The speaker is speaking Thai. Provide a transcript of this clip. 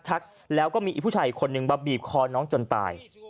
แล้วก็มีผู้ชายอีกคนนึงมาบีบคอน้องจนตาย